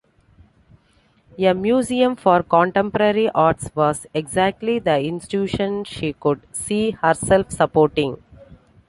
A museum for contemporary arts was exactly the institution she could see herself supporting.